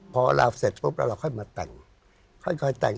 พอเราเสร็จปุ๊บพอเราค่อยมาแต่ง